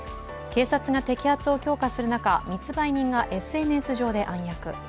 警察が摘発を強化する中密売人がＳＮＳ上で暗躍。